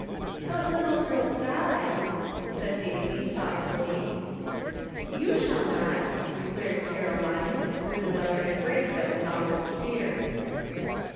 " But little girls die," said Daisy thoughtfully. " You shall not," declared Caroline, with an other embrace that was almost fierce.